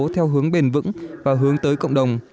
theo hướng bền vững và hướng tới cộng đồng